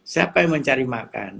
siapa yang mencari makan